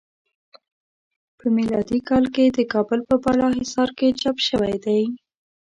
په میلادی کال د کابل په بالا حصار کې چاپ شوی دی.